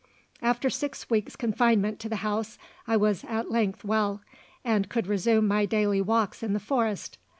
After six weeks' confinement to the house I was at length well, and could resume my daily walks in the forest.